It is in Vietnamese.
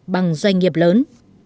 bằng doanh nghiệp lớn